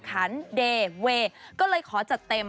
ขันเดย์เวย์ก็เลยขอจัดเต็ม